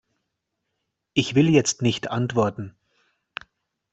Ich will jetzt nicht antworten.